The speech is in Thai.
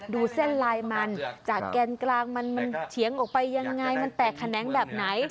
ดูเส้นลายมันจากแกนกลางมันเฉียงออกไปยังไงมันแตกแขนงแบบไหน